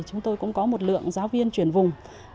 chúng tôi cũng có một lượng giáo viên chuyển vùng